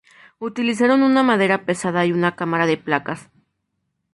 Utilizaron una madera pesada y una cámara de placas.